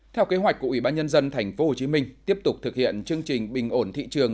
theo kế hoạch của ủy ban nhân dân tp hcm tiếp tục thực hiện chương trình bình ổn thị trường